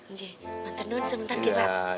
nje mantel dulu nanti nanti pak